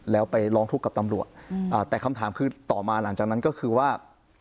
แล้วไปร้องทุกข์กับตำรวจแต่คำถามคือต่อมาหลังจากนั้นก็คือว่า